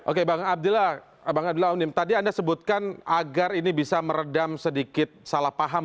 oke bang abdullah onim tadi anda sebutkan agar ini bisa meredam sedikit salah paham